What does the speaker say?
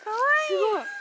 すごい。